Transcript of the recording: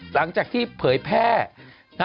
หลังจากที่เผยแพร่